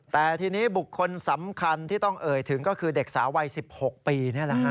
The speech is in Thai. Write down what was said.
แต่ทีนี้บุคคลสำคัญที่ต้องเอ่ยถึงก็คือเด็กสาววัย๑๖ปี